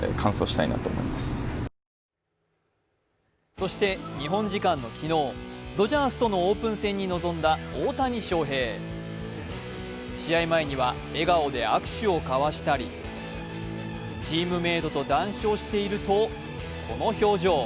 そして日本時間昨日、ドジャースとのオープン戦に臨んだ大谷翔平。試合前には笑顔で握手を交わしたりチームメートと談笑しているとこの表情。